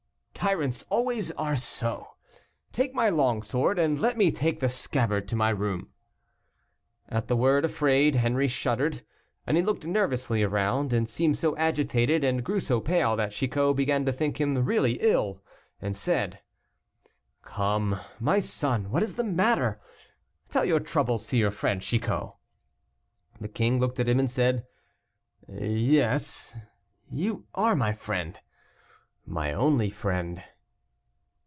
Tyrants always are so. Take my long sword, and let me take the scabbard to my room." At the word "afraid," Henri shuddered, and he looked nervously around, and seemed so agitated and grew so pale, that Chicot began to think him really ill, and said, "Come, my son, what is the matter, tell your troubles to your friend Chicot." The king looked at him and said, "Yes, you are my friend, my only friend."